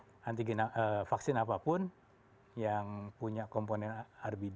jadi vaksin apapun yang punya komponen rbd